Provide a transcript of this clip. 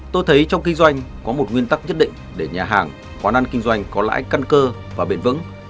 tôi thấy trong kinh doanh có một nguyên tắc nhất định để nhà hàng quán ăn kinh doanh có lãi căn cơ và bền vững